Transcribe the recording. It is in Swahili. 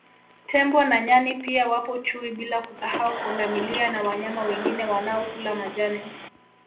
Tembo na Nyani pia wapo Chui bila kusahau Pundamilia na wanyama wengine wanaokula majani